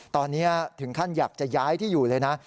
ตอนนี้ถึงขั้นอยากจะย้ายที่อยู่เลยนะ